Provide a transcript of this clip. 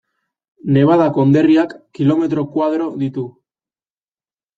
Nevada konderriak kilometro koadro ditu.